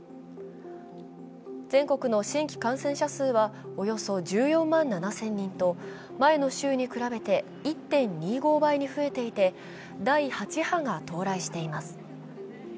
全国の新規感染者数はおよそ１４万７０００人と前の週に比べて１．２５倍に増えていて第８波が到来しています。